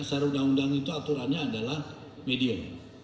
seharga undang itu aturannya adalah medium